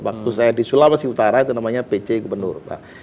waktu saya di sulawesi utara itu namanya pc gubernur